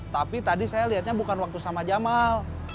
tapi tadi saya lihatnya bukan waktu sama jamal